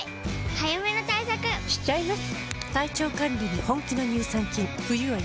早めの対策しちゃいます。